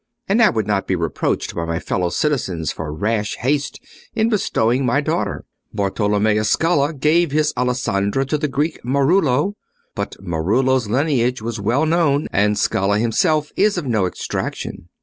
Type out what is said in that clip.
And I would not be reproached by my fellow citizens for rash haste in bestowing my daughter. Bartolommeo Scala gave his Alessandra to the Greek Marullo, but Marullo's lineage was well known, and Scala himself is of no extraction.